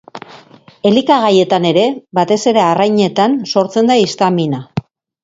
Elikagaietan ere, batez ere arrainetan, sortzen da histamina.